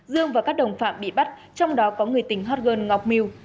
dương và các đồng phạm bị bắt trong đó có người tỉnh hót gơn ngọc miu